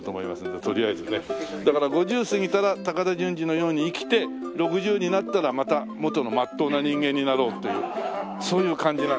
だから５０過ぎたら高田純次のように生きて６０になったらまた元の真っ当な人間になろうというそういう感じなんで。